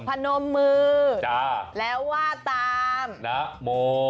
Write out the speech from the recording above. ทุกคนพนมมือแล้วว่าตาม